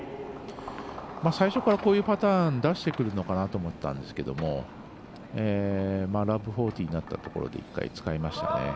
最初からこういうパターン出してくるのかなと思ったんですけど０−４０になったところで１回、使いましたね。